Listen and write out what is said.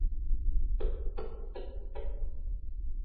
mimina mchanganyiko wako wa keki